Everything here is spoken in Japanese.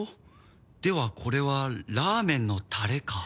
ではこれはラーメンのタレか。